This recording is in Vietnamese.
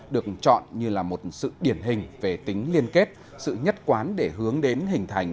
được chọn như là một sự điển hình về tính liên kết sự nhất quán để hướng đến hình thành